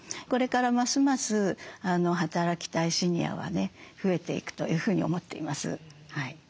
これからますます働きたいシニアはね増えていくというふうに思っています。